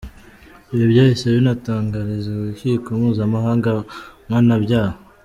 Ibi byahise binatangarizwa urukiko mpuzamahanga mpanabyaha.